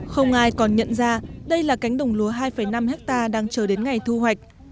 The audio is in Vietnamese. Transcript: không ai còn nhận ra đây là cánh đồng lúa hai năm hectare đang chờ đến ngày thu hoạch